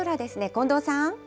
近藤さん。